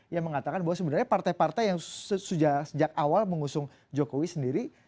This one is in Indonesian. yang mengatakan bahwa sebenarnya partai partai yang sejak awal mengusung jokowi sendiri